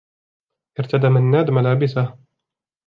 ارتدى منّاد ملابسه.